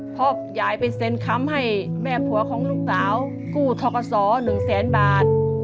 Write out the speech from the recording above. เพราะยายไปเซ็นคำให้แม่ผัวของลูกสาวกู้ทกศ๑แสนบาท